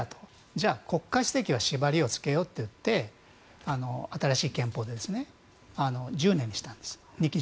じゃあ、国家主席はしばりをつけようといって新しい憲法で２期１０年にしたんです。